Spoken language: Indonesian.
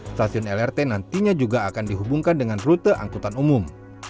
stasiun lrt nantinya juga akan dihubungkan dengan rute angkutan umum